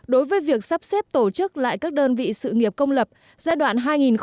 đối với việc sắp xếp tổ chức lại các đơn vị sự nghiệp công lập giai đoạn hai nghìn một mươi chín hai nghìn hai mươi một